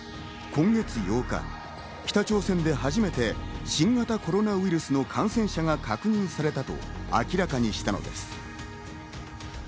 今月８日、北朝鮮で初めて新型コロナウイルスの感染者が確認されたと明らかにしたのです。